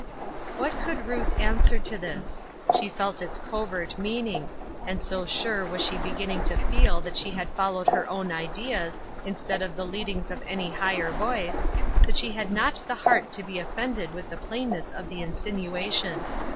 What could Ruth answer to this? She felt its covert meaning ; and so sure was she begin ning to feel that she had followed her own ideas, instead of the leadings of any higher voice, that she had not the heart to be offended with the plainness of the insinuation.